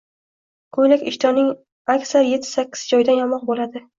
“ko’ylak, ishtonining aksar yetti-sakkiz joyidan yamog’i bo’ladi.